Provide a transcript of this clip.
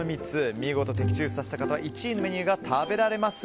見事、的中させた方は１位のメニューが食べられます。